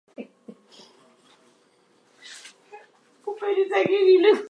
He specialises in fast mixing, often employing three turntables.